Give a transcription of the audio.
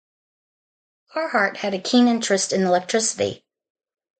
Carhart had a keen interest in electricity.